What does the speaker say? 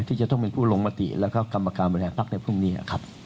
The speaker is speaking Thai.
ที่จะต้องเป็นผู้ลงมติแล้วก็กรรมการบริหารพักในพรุ่งนี้ครับ